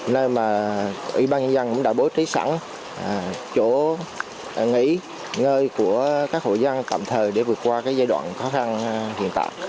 nơi mà ủy ban nhân dân cũng đã bố trí sẵn chỗ nghỉ ngơi của các hộ dân tạm thời để vượt qua cái giai đoạn khó khăn hiện tại